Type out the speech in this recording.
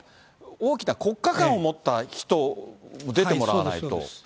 大きな国家観を持った人出てもらわないと。